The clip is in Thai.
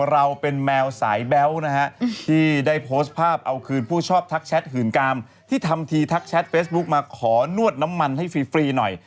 เราเป็นแมวสายแบ๊วนะฮะที่ได้โพสต์ภาพเอาคืนผู้ชอบทักแชทหื่นกามที่ทำทีทักแชทเฟซบุ๊กมาขอนวดน้ำมันให้ฟรีหน่อย